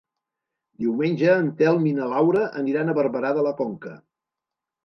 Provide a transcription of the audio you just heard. Diumenge en Telm i na Laura aniran a Barberà de la Conca.